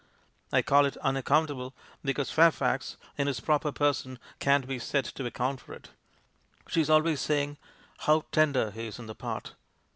I call it 'unaccountable' because Fairfax, in his proper person, can't be said to account for it. She's always saying how 'tender he is in the part.'